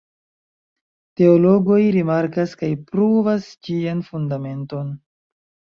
Teologoj rimarkas kaj pruvas ĝian fundamenton.